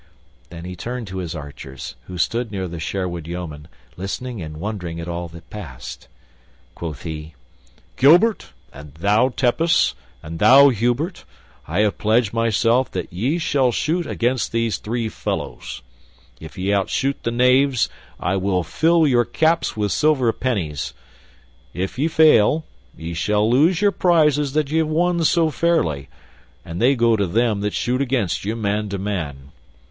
Then he turned to his archers, who stood near the Sherwood yeomen, listening and wondering at all that passed. Quoth he, "Gilbert, and thou, Tepus, and thou, Hubert, I have pledged myself that ye shall shoot against these three fellows. If ye outshoot the knaves I will fill your caps with silver pennies; if ye fail ye shall lose your prizes that ye have won so fairly, and they go to them that shoot against you, man to man.